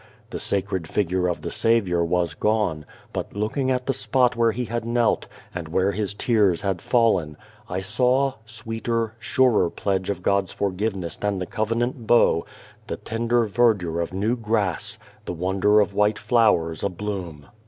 The Sacred Figure of the Saviour was gone, but looking at the spot where He had knelt, and where His tears had fallen, I saw sweeter, surer pledge of God's forgive ness than the covenant bow the tender verdure of new grass, the wonder of white flowers abloom.